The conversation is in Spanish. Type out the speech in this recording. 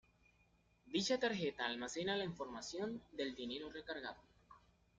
Dicha tarjeta almacena la información del dinero recargado.